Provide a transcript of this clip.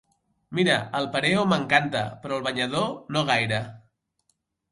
Mira, el pareo m'encanta, però el banyador no gaire.